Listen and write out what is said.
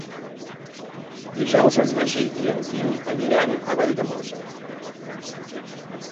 Dijous en Magí i en Quim aniran a Valldemossa.